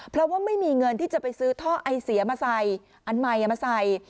เพราะว่าไม่มีเงินที่จะไปซื้อท่อไอเสียมาใส่อันใหม่มาใส่